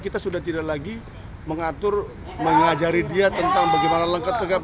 kita sudah tidak lagi mengajari dia tentang bagaimana lengket kegap